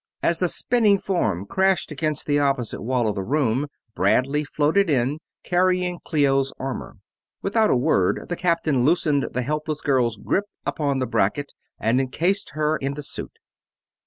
As the spinning form crashed against the opposite wall of the room Bradley floated in, carrying Clio's armor. Without a word the captain loosened the helpless girl's grip upon the bracket and encased her in the suit.